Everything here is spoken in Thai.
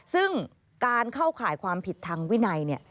ซึ่งการเข้าข่ายความผิดทางวินัยเนี่ย